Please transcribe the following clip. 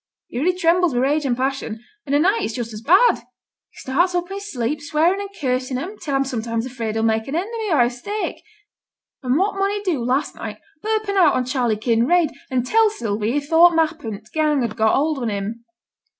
He really trembles wi' rage and passion; an' a' night it's just as bad. He starts up i' his sleep, swearing and cursing at 'em, till I'm sometimes afeard he'll mak' an end o' me by mistake. And what mun he do last night but open out on Charley Kinraid, and tell Sylvie he thought m'appen t' gang had got hold on him.